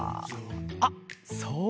あっそうだ！